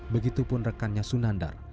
begitupun rekannya sunandar